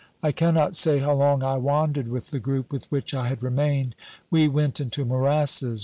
I cannot say how long I wandered with the group with which I had remained. We went into morasses.